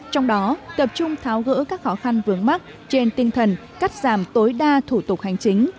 trong đó tập trung tháo gỡ các khó khăn vướng mắt trên tinh thần cắt giảm tối đa thủ tục hành chính